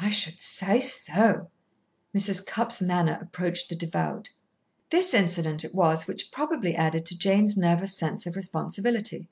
"I should say so!" Mrs. Cupp's manner approached the devout. This incident it was which probably added to Jane's nervous sense of responsibility.